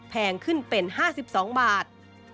แพงขึ้นเป็น๕๒บาท